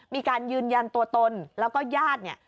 มีการยืนยันตัวตนแล้วก็ญาติเนี่ย